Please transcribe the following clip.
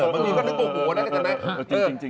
บางทีก็นึกโกหกว่าน่ะจริง